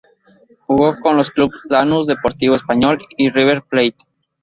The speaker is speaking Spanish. Jugó en los clubes Lanús, Deportivo Español y River Plate.